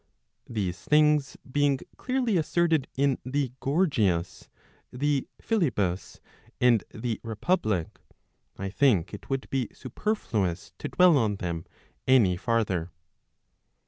These things being clearly asserted in the Gorgias, the Philebus, and the Republic, I think it would be superfluous to dwell on them any farther.